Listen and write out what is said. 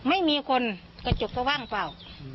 ไม่มีคนกระจกก็ว่างเปล่า